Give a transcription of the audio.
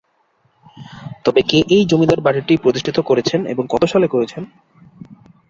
তবে কে এই জমিদার বাড়িটি প্রতিষ্ঠিত করেছেন এবং কত সালে করেছেন।